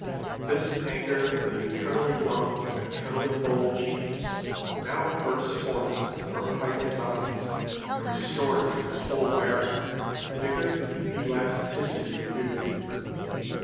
This anger of the eternally young and eternally bold genius now burst forth from Haydn's eyes, and restored to his whole bearing the vigor and elasticity of youth.